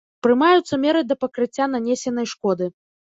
Прымаюцца меры да пакрыцця нанесенай шкоды.